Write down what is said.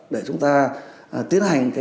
để chúng ta tiến hành